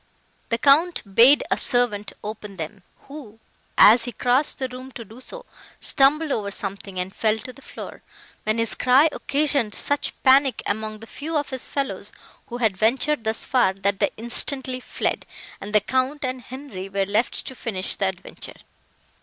The Count bade a servant open them, who, as he crossed the room to do so, stumbled over something, and fell to the floor, when his cry occasioned such panic among the few of his fellows, who had ventured thus far, that they instantly fled, and the Count and Henri were left to finish the adventure.